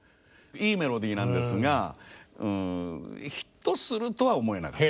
いいメロディーなんですがヒットするとは思えなかった。